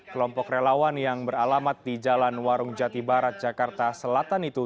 kelompok relawan yang beralamat di jalan warung jati barat jakarta selatan itu